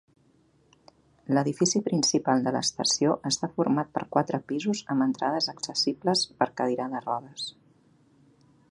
L"edifici principal de l"estació està format per quatre pisos amb entrades accessibles per cadira de rodes.